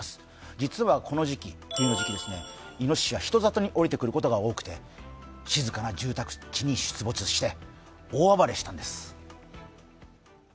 実はこの時期、冬の時期、いのししは人里に下りてくることが多くて静かな住宅地に出没して大暴れしたんです。